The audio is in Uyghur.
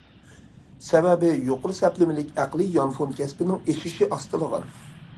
سەۋەبى يۇقىرى سەپلىمىلىك ئەقلىي يانفون كەسپىنىڭ ئېشىشى ئاستىلىغان.